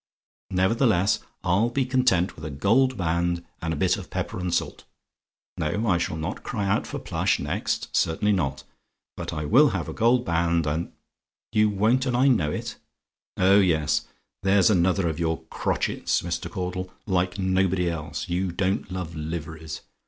Nevertheless, I'll be content with a gold band, and a bit of pepper and salt. No: I shall not cry out for plush next; certainly not. But I will have a gold band, and "YOU WON'T; AND I KNOW IT? "Oh yes! that's another of your crotchets, Mr Caudle; like nobody else you don't love liveries.